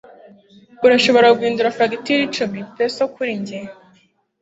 Urashobora guhindura fagitire icumi-peso kuri njye?